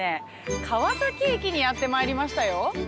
川崎駅にやってまいりましたよ。